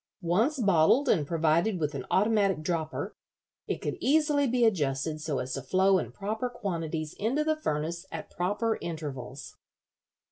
Once bottled and provided with an automatic dropper, it could easily be adjusted so as to flow in proper quantities into the furnace at proper intervals."